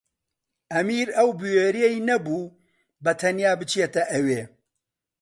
ئەمیر ئەو بوێرییەی نەبوو بەتەنیا بچێتە ئەوێ.